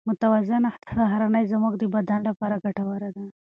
متوازنه سهارنۍ زموږ د بدن لپاره ګټوره ده.